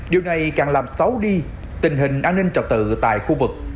điều này càng làm xấu đi tình hình an ninh trật tự tại khu vực